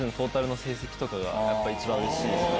やっぱ一番うれしいですね。